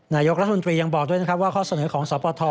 นายกรัฐมนตรียังบอกด้วยนะครับว่าข้อเสนอของสปท